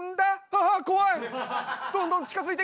ああ怖い！